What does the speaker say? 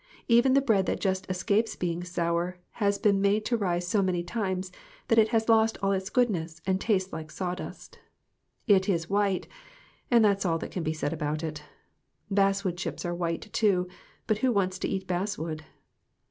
Even the bread that just escapes being sour has been made to rise so many times that it has lost all its goodness and tastes like sawdust. It is white, and that's all that can be said about it. Basswood chips are white, too, but who wants to eat basswood